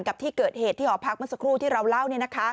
กับที่เกิดเหตุที่หอพักเมื่อสักครู่ที่เราเล่า